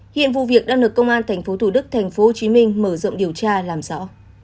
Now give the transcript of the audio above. hiện vụ việc đang được công an tp thủ đức tp hcm mở rộng điều tra làm rõ